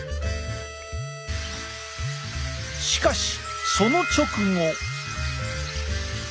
しかしその直後。